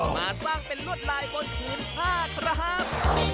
มาสร้างเป็นลวดลายบนผืนผ้าครับ